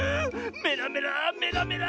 メラメラメラメラ！